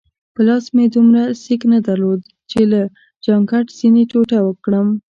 په لاس مې دومره سېک نه درلود چي له جانکټ ځینې ټوټه کړم.